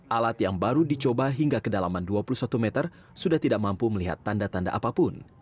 alat yang baru dicoba hingga kedalaman dua puluh satu meter sudah tidak mampu melihat tanda tanda apapun